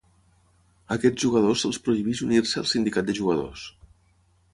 A aquests jugadors se'ls prohibeix unir-se al sindicat de jugadors.